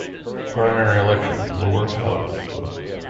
No primary elections were held.